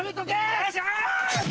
よいしょ！